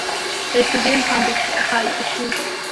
Estudió en Hamburg High School.